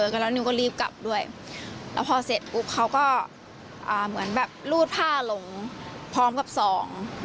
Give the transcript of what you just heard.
ก็แล้วนิวก็รีบกลับด้วยแล้วพอเสร็จปุ๊บเขาก็อ่าเหมือนแบบรูดผ้าลงพร้อมกับสอง